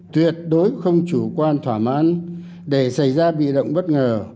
tuyệt đối không chủ quan thỏa mãn để xảy ra bị động bất ngờ